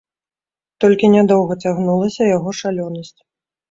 Толькі нядоўга цягнулася яго шалёнасць.